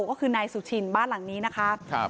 ก็คือนายสุชินบ้านหลังนี้นะคะ